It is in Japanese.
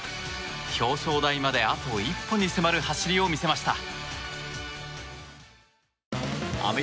表彰台まであと一歩に迫る走りを見せました。